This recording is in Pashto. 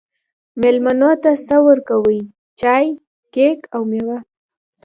میلمنو ته څه ورکوئ؟ چای، کیک او میوه